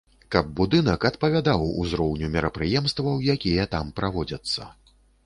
Каб будынак адпавядаў узроўню мерапрыемстваў, якія там праводзяцца.